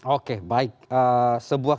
oke baik sebuah